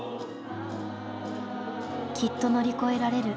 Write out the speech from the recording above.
「きっと乗り越えられる」。